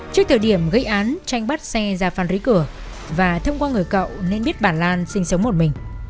trước thời điểm gây án tranh bắt xe ra phan rí cửa và thông qua người cậu nên biết bà lan sinh sống một mình